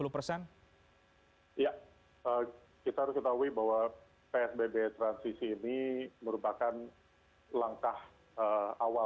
ya kita harus ketahui bahwa psbb transisi ini merupakan langkah awal